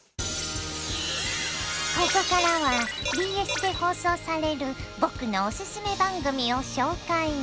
ここからはＢＳで放送される僕のオススメ番組を紹介！